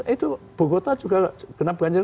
itu buku kota juga kenap ganjil